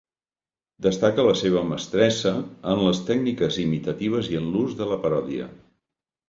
Destaca la seva mestressa en les tècniques imitatives i en l'ús de la paròdia.